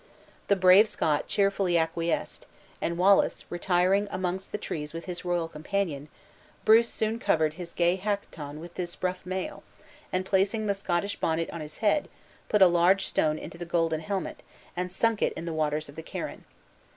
The brave Scot cheerfully acquiesced; and, Wallace retiring amongst the trees with his royal companion, Bruce soon covered his gay hacqueton with this rough mail; and placing the Scottish bonnet on his head, put a large stone into the golden helmet, and sunk it in the waters of the Carron.